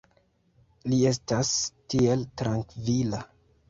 Li estas tiel trankvila.